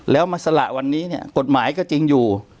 แล้วมาสละวันนี้เนี่ยกฎหมายก็จริงอยู่